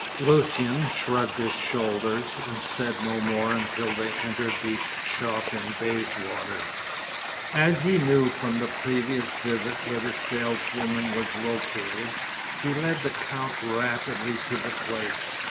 Lucian shrugged his shoulders, and said no more until they entered the shop in Bayswater. As he knew from the previous visit where the saleswoman was located, he led the Count rapidly to the place.